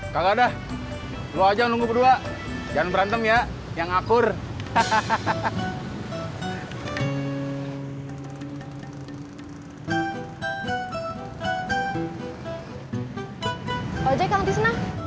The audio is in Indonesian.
hai ada hancur kalau mmm